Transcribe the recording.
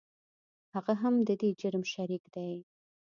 هغه هم د دې جرم شریک دی .